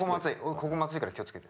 ここも熱いから気を付けて。